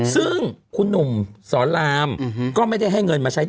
ซึ่งคุณหนุ่มสอนรามก็ไม่ได้ให้เงินมาใช้